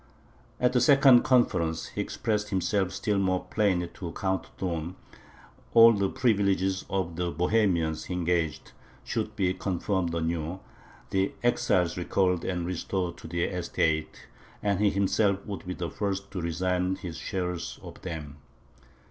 At the second conference, he expressed himself still more plainly to Count Thurn. "All the privileges of the Bohemians," he engaged, "should be confirmed anew, the exiles recalled and restored to their estates, and he himself would be the first to resign his share of them.